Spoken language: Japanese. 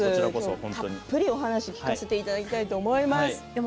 たっぷりお話聞かせていただきたいと思います。